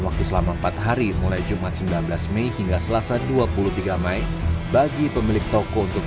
waktu selama empat hari mulai jumat sembilan belas mei hingga selasa dua puluh tiga mei bagi pemilik toko untuk